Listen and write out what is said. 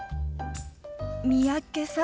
三宅さん？